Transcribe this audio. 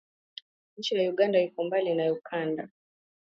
Nchi ya Uganda iko mbali na ukanda